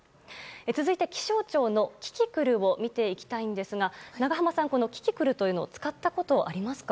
続いて、気象庁のキキクルを見ていきたいんですが長濱さん、このキキクルを使ったことはありますか？